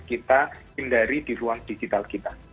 kita hindari di ruang digital kita